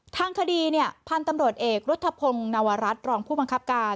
ทางคดีเนี่ยพันธุ์ตำรวจเอกรุธพงศ์นวรัฐรองผู้บังคับการ